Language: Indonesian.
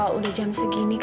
boleh gak di sini